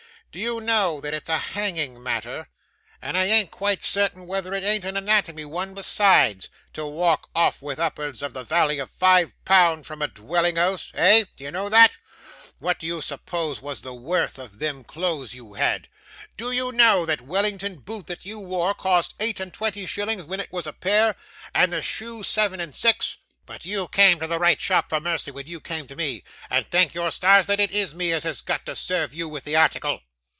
'Do you know that it's a hanging matter and I an't quite certain whether it an't an anatomy one besides to walk off with up'ards of the valley of five pound from a dwelling house? Eh? Do you know that? What do you suppose was the worth of them clothes you had? Do you know that that Wellington boot you wore, cost eight and twenty shillings when it was a pair, and the shoe seven and six? But you came to the right shop for mercy when you came to me, and thank your stars that it IS me as has got to serve you with the article.